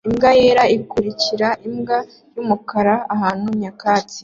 Imbwa yera ikurikira imbwa yumukara ahantu nyakatsi